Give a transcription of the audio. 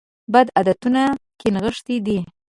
بدعتونو کې نغښې ده.